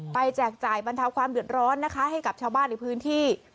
แจกจ่ายบรรเทาความเดือดร้อนนะคะให้กับชาวบ้านในพื้นที่